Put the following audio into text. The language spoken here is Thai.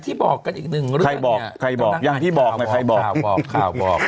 ใครบอกใครบอก